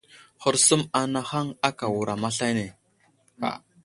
Hərsum anahaŋ aka wuram aslane.